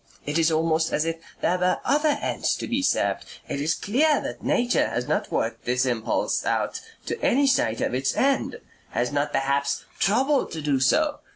It is almost as if there were other ends to be served. It is clear that Nature has not worked this impulse out to any sight of its end. Has not perhaps troubled to do so.